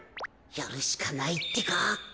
やるしかないってか。